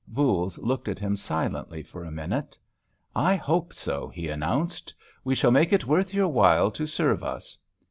Voules looked at him silently for a minute. "I hope so," he announced. "We shall make it worth your while to serve us."